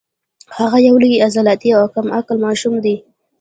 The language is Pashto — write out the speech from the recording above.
هغه یو لوی عضلاتي او کم عقل ماشوم دی